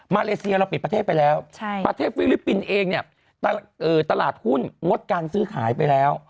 เลเซียเราปิดประเทศไปแล้วประเทศฟิลิปปินส์เองเนี่ยตลาดหุ้นงดการซื้อขายไปแล้ว